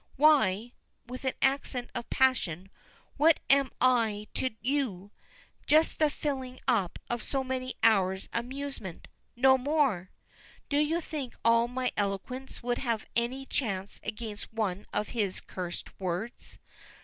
Why," with an accent of passion, "what am I to you? Just the filling up of so many hours' amusement no more! Do you think all my eloquence would have any chance against one of his cursed words?